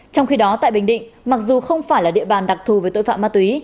trong khi đó tại bình định mặc dù không phải là địa bàn đặc thù với tội phạm ma túy